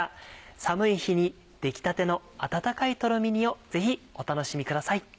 寒い日に出来たての温かいとろみ煮をぜひお楽しみください。